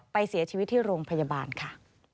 เสียชีวิตที่โรงพยาบาลค่ะ